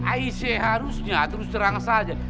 aise harusnya terus terang terang saja